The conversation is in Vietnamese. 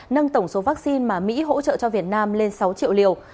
nâng tổng số vaccine mà mỹ hỗ trợ cho việt nam lên sáu triệu liều